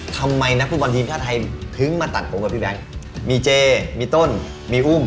นักฟุตบอลทีมชาติไทยถึงมาตัดผมกับพี่แบงค์มีเจมีต้นมีหุ้ม